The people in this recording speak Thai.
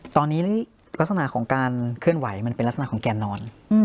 ตอนนี้ลักษณะของการเคลื่อนไหวมันเป็นลักษณะของแกนนอน